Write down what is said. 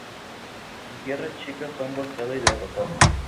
En Sierra Chica fue emboscado y derrotado.